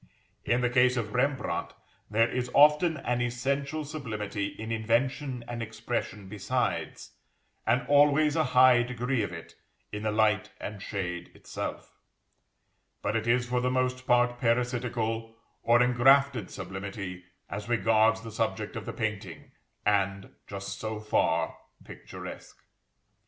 In the case of Rembrandt there is often an essential sublimity in invention and expression besides, and always a high degree of it in the light and shade itself; but it is for the most part parasitical or engrafted sublimity as regards the subject of the painting, and, just so far, picturesque.